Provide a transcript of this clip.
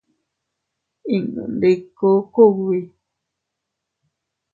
Innu ndiku kugbi.